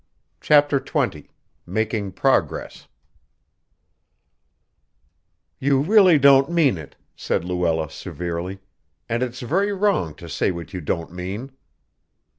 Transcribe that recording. CHAPTER XX MAKING PROGRESS "You really don't mean it," said Luella severely, "and it's very wrong to say what you don't mean."